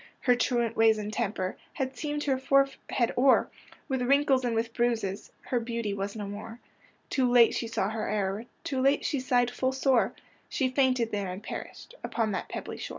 Her truant ways and temper Had seamed her forehead o'er With wrinkles and with bruises,— Her beauty was no more. Too late she saw her error. Too late she sighed full sore; She fainted there, and perished Upon that pebbly shore.